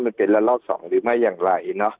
มันเป็นละลอก๒หรือไม่อย่างไรเนอะ